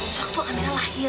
sewaktu amira lahir